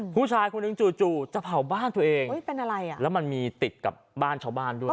ผู้ชายคนนึงจู่จะเผ่าบ้านตัวเองแล้วมันมีติดกับบ้านชาวบ้านด้วย